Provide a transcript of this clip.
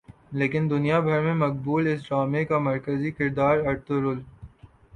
لیکن دنیا بھر میں مقبول اس ڈارمے کا مرکزی کردار ارطغرل